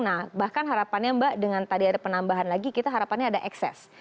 nah bahkan harapannya mbak dengan tadi ada penambahan lagi kita harapannya ada ekses